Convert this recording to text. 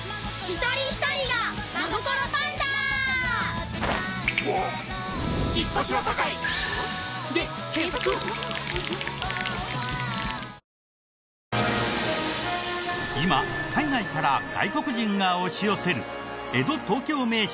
新しくなった今海外から外国人が押し寄せる江戸・東京名所